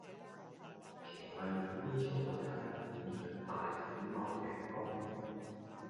瓊麗苑 B 座有街坊染上大鼠戊型肝炎